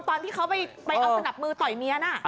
ตอนที่เขาไปเอาสนับมือต่อยเมียน่ะ